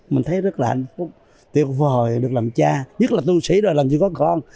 mình thấy rất là tuyệt vời được làm cha nhất là tu sĩ rồi làm chưa có con